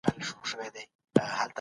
مرګ د هر چا د عمل د ښکاره کېدو وخت دی.